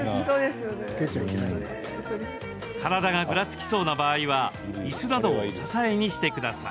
体がぐらつきそうな場合はいすなどを支えにしてください。